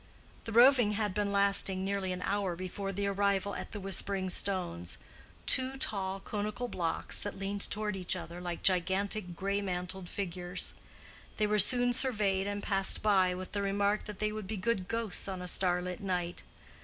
The roving had been lasting nearly an hour before the arrival at the Whispering Stones, two tall conical blocks that leaned toward each other like gigantic gray mantled figures. They were soon surveyed and passed by with the remark that they would be good ghosts on a starlit night.